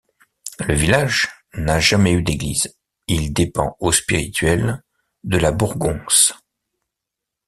Le village n'a jamais eu d'église, il dépend au spirituel de La Bourgonce.